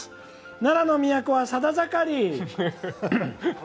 「奈良の都はさだ盛り」